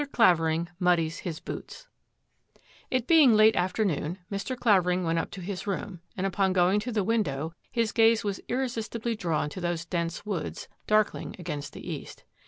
CLAVERING MUDDIES HIS BOOTS it It being late afternoon, Mr. Clavering went up to his room, and upon going to the window, his gaze was irresistibly drawn to those dense woods, darkling against the east.